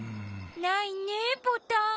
ないねボタン。